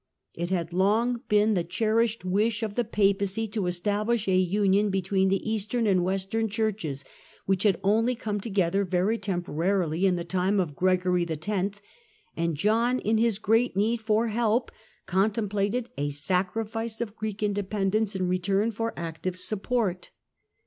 It had long been the EMPIRE AND PAPACY, 1414 1453 175 cherished wish of the Papacy to establish a union be tween the Eastern and Western Churches, which had only come together very temporarily in the time of Gregory X., and John in his great need for help, contem plated a sacrifice of Greek independence in return for active support.